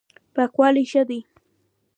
پاکوالی ښه دی.